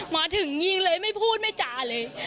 มาถึงยิงเลยไม่พูดไม่จ่าเลย